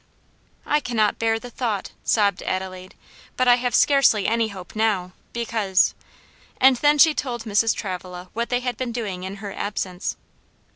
"I cannot bear the thought," sobbed Adelaide, "but I have scarcely any hope now, because " and then she told Mrs. Travilla what they had been doing in her absence.